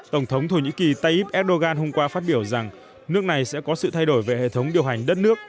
tổng thống thổ nhĩ kỳ tayyip erdogan hôm qua phát biểu rằng nước này sẽ có sự thay đổi về hệ thống điều hành đất nước